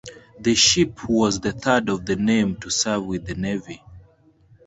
The ship was the third of the name to serve with the navy.